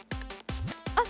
あ！